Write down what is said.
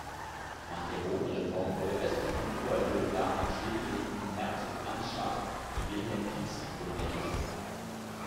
Nach der Bodenreform wurde östlich von Oberlödla am stillgelegten "Herzog-Ernst-Schacht" die "Wilhelm-Pieck-Siedlung" errichtet.